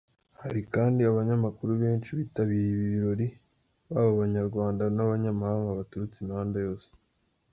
Hari kandi abanyamakuru benshi bitabiriye ibi birori, baba Abanyarwanda n’abanyamahanga baturutse imihanda yose.